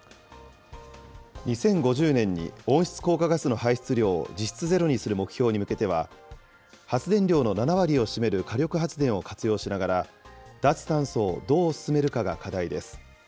２０５０年に温室効果ガスの排出量を実質ゼロにする目標に向けては、発電量の７割を占める火力発電を活用しながら、脱炭素をどう進めるかが課題です。